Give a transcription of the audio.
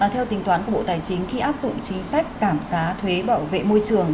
theo tính toán của bộ tài chính khi áp dụng chính sách giảm giá thuế bảo vệ môi trường